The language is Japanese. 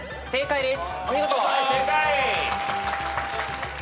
正解です。